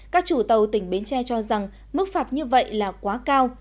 các chủ tàu tỉnh bến tre cho rằng mức phạt như vậy là quá cao